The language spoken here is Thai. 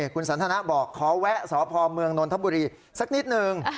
คุณสันทนาบอกขอแวะสพเมืองนนทบุรีสักนิดนึง